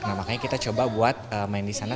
nah makanya kita coba buat main di sana